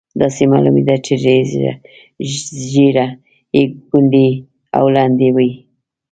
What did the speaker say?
داسې معلومېده چې ږیره یې کونډۍ او لنډۍ وه.